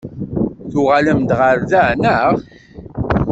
Tuɣalem-d ɣer da, naɣ?